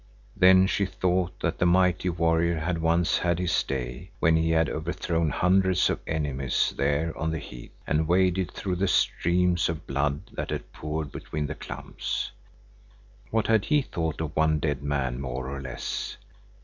Then she thought that the mighty warrior had once had his day, when he had overthrown hundreds of enemies there on the heath and waded through the streams of blood that had poured between the clumps. What had he thought of one dead man more or less?